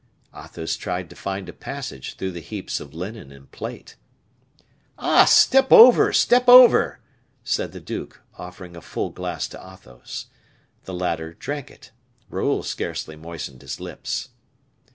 Athos tried to find a passage through the heaps of linen and plate. "Ah! step over, step over!" said the duke, offering a full glass to Athos. The latter drank it; Raoul scarcely moistened his lips.